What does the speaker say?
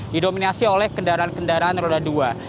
didominasi oleh kendaraan kendaraan roda dua